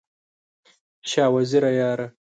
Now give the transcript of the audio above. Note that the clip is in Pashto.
شاه وزیره یاره!